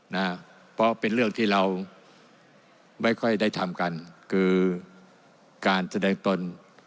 นะเพราะเป็นเรื่องที่เราไม่ค่อยได้ทำกันคือการแสดงตน